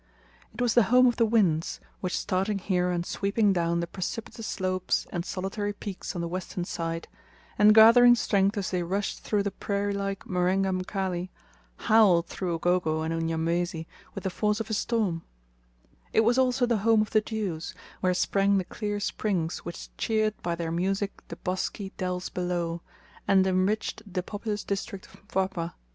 It was the home of the winds, which starting here and sweeping down the precipitous slopes and solitary peaks on the western side, and gathering strength as they rushed through the prairie like Marenga Mkali, howled through Ugogo and Unyamwezi with the force of a storm, It was also the home of the dews, where sprang the clear springs which cheered by their music the bosky dells below, and enriched the populous district of Mpwapwa.